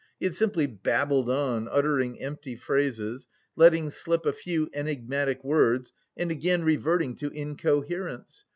He had simply babbled on uttering empty phrases, letting slip a few enigmatic words and again reverting to incoherence.